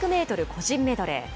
個人メドレー。